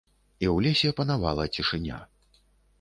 І ў лесе панавала цішыня.